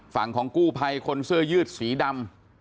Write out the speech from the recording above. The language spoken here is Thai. ฝั่งของกู้ภัยคนเสื้อยืดสีดำ